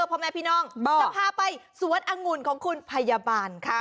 พ่อแม่พี่น้องจะพาไปสวนองุ่นของคุณพยาบาลค่ะ